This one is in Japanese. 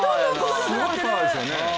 すごいパワーですよね。